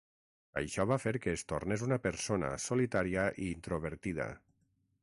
Això va fer que es tornés una persona solitària i introvertida.